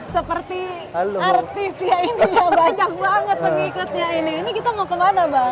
seperti artis ya ini banyak banget pengikutnya ini ini kita mau kemana bang